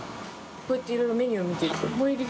こうやっていろいろメニュー見ていくと専務）